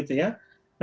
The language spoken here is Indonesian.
nah disinilah saatnya